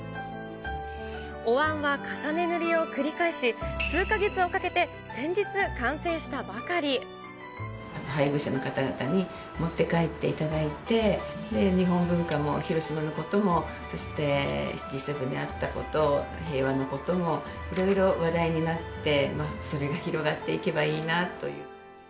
おわんは重ね塗りを繰り返し、数か月をかけて先日、完成したば配偶者の方々に持って帰っていただいて、日本文化も広島のことも、そしてＧ７であったこと、平和のことを、いろいろ話題になって、それが広がっていけばいいなという。